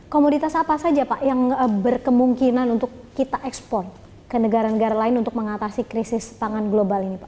komoditas apa saja pak yang berkemungkinan untuk kita ekspor ke negara negara lain untuk mengatasi krisis pangan global ini pak